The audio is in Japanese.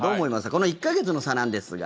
この１か月の差なんですが。